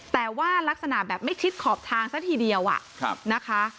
แต่ว่ารักษณะแบบไม่ชิดขอบทางซะทีเดียวนะคะ